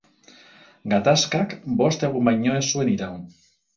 Gatazkak bost egun baino ez zuen iraun.